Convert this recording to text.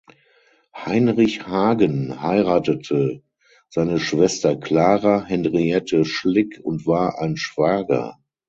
Heinrich Hagen heiratete seine Schwester Klara Henriette Schlick und war ein Schwager.